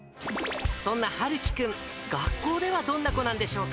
そんな陽生君、学校ではどんな子なんでしょう。